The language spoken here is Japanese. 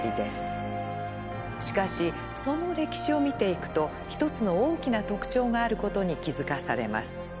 しかしその歴史を見ていくと一つの大きな特徴があることに気付かされます。